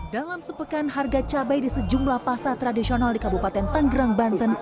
dalam sepekan harga cabai di sejumlah pasar tradisional di kabupaten tanggerang banten